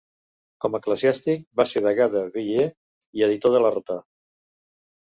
Com a eclesiàstic va ser degà de Bayeux i auditor de la Rota.